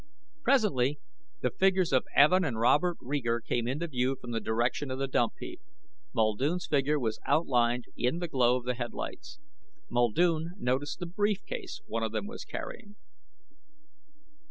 Presently the figures of Evin and Robert Reeger came into view from the direction of the dump heap. Muldoon's figure was outlined in the glow of the headlights. Muldoon noticed the brief case one of them was carrying.